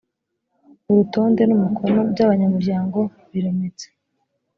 urutonde n’umukono by’ abanyamuryango birometse